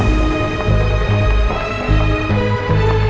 kau akan dihukum